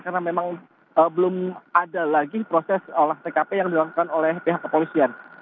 karena memang belum ada lagi proses olah tkp yang dilakukan oleh pihak kepolisian